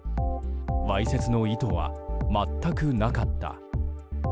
わいせつの意図は全くなかった。